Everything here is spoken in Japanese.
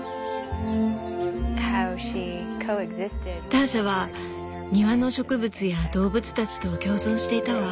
ターシャは庭の植物や動物たちと共存していたわ。